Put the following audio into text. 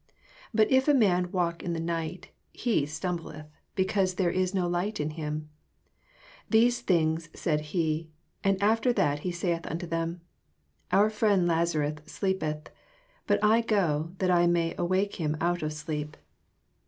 10 But if a man walk in the night, he stumbleth, beoause there ia no light in him. 11 These things said he: and after that he saith unto them. Our friend Lasarussleepeth; but I go, that I may awake him out of sleep.